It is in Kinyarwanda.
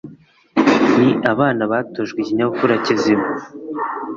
Niba abana batojwe ikinyabupfura kizima